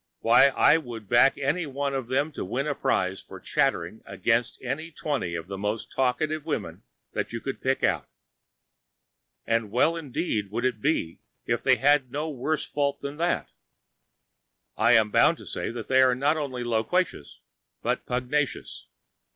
Why, I would back any one of them to win a prize for chattering against any twenty of the most talkative women that you could pick out. And well indeed would it be if they had no worse fault than that. I am bound to say that they are not only loquacious, but pugnacious.